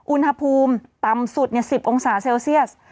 อุณหภูมิต่ำสุด๑๐องศาเซลเซียส